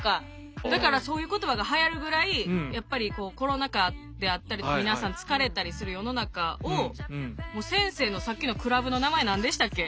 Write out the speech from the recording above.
だからそういう言葉がはやるぐらいやっぱりこうコロナ禍であったりとか皆さん疲れたりする世の中をもう先生のさっきのクラブの名前何でしたっけ？